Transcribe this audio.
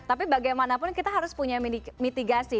tapi bagaimanapun kita harus punya mitigasi